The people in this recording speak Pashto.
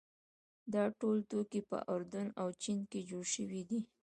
دا ټول توکي په اردن او چین کې جوړ شوي دي.